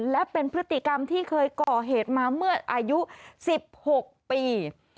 และเป็นพฤติกรรมที่เคยก่อเหตุมาเมื่ออายุ๑๖ปี